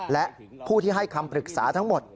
และผู้ที่ให้คำปรึกษาทั้งหมด